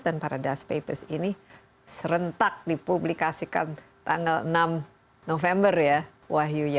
dan paradise papers ini serentak dipublikasikan tanggal enam november ya wahyu